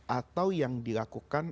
atau yang dilakukan